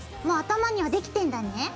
もう頭にはできてんだね。